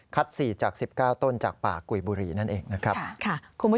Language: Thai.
คัดสี่จากสิบเก้าต้นจากป่ากุยบุรีนั่นเองนะครับค่ะคุณผู้ชม